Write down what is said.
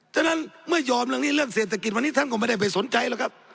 ฉะนั้นเมื่อยอมเรื่องนี้เรื่องเศรษฐกิจวันนี้ท่านก็ไม่ได้ไปสนใจแล้วครับ